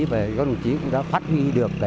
và các đồng chí cũng đã phát huy được